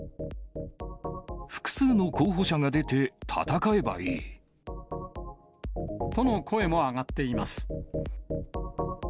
複数の候補者が出て戦えばいとの声も上がっています。